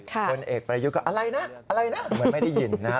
ผลเอกประยุทธ์ก็อะไรนะอะไรนะเหมือนไม่ได้ยินนะครับ